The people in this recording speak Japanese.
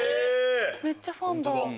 めっちゃファンだ。